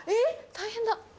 大変だ。